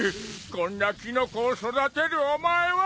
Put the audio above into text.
こんなキノコを育てるお前は。